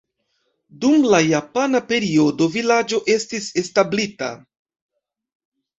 Dum la japana periodo vilaĝo estis establita.